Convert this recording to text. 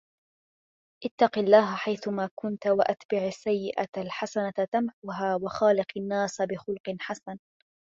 اتَّقِ اللهَ حَيْثُمَا كُنْتَ، وَأَتْبِعِ السَّيِّئَةَ الْحَسَنَةَ تَمْحُهَا، وَخَالِقِ النَّاسَ بِخُلُقٍ حَسَنٍ